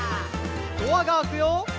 「ドアが開くよ」